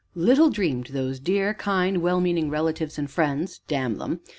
Little dreamed those dear, kind, well meaning relatives and friends damn 'em!